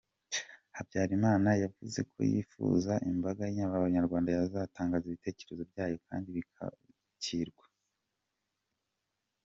Habyarimana yavuze ko yifuza ko imbaga y’Abanyarwanda yazatanga ibitekerezo byayo kandi bikakirwa.